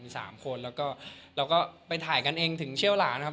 มี๓คนแล้วก็ไปถ่ายกันเองถึงเชี่ยวหลานครับ